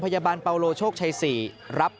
เพราะว่าเราอยู่ในเครือโรงพยาบาลกรุงเทพฯนี่ก็เป็นในระดับโลก